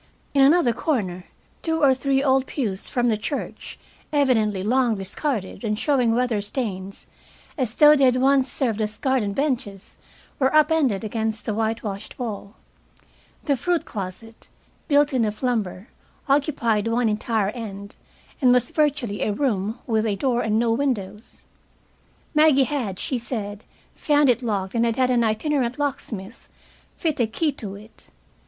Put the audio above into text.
In another corner two or three old pews from the church, evidently long discarded and showing weather stains, as though they had once served as garden benches, were up ended against the whitewashed wall. The fruit closet, built in of lumber, occupied one entire end, and was virtually a room, with a door and no windows. Maggie had, she said, found it locked and had had an itinerant locksmith fit a key to it.